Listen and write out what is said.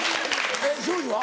えっ庄司は？